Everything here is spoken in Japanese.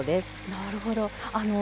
なるほど。